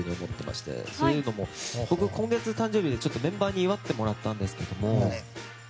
というのも僕、今月誕生日でメンバーに祝ってもらったんですけど。